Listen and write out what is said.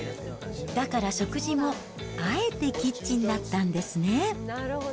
だから食事も、あえてキッチンだったんですね。